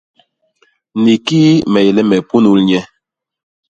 Ni kii me yé le me punul nye?